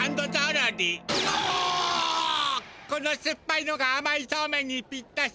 このすっぱいのがあまいそうめんにぴったし！